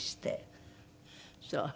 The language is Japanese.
そう。